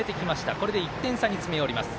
これで１点差に詰め寄ります。